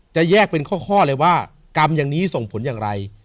จะแยกเป็นข้อเลยว่ากรรมอย่างนี้ส่งผลอย่างไร